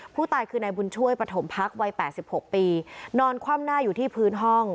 ผู้ตายคือนายบุญช่วยปฐมพักวัย๘๖ปีนอนคว่ำหน้าอยู่ที่พื้นห้อง